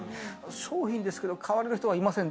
商品ですけど買われる人はいません！